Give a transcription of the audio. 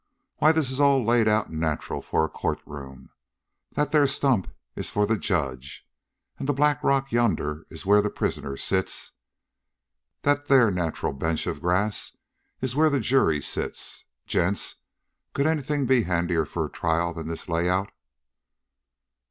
"Why, this is all laid out nacheral for a courtroom. That there stump is for the judge, and the black rock yonder is where the prisoner sits. That there nacheral bench of grass is where the jury sits. Gents, could anything be handier for a trial than this layout?"